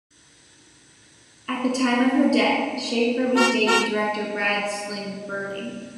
At the time of her death, Schaeffer was dating director Brad Silberling.